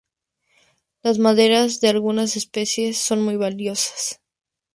Las maderas de algunas especies son muy valiosas.